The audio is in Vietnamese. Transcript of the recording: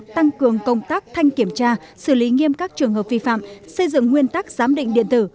tăng cường công tác thanh kiểm tra xử lý nghiêm các trường hợp vi phạm xây dựng nguyên tắc giám định điện tử